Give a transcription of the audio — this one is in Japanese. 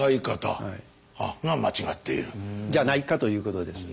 じゃないかということです。